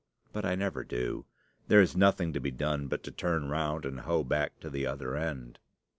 But I never do. There is nothing to be done but to turn round and hoe back to the other end.